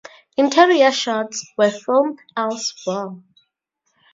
Interior shots were filmed elsewhere.